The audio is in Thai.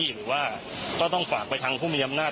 หรือว่าก็ต้องฝากไปทางผู้มีอำนาจ